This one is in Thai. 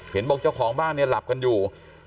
เห็นบอกว่าเจ้าของบ้านหลับอยู่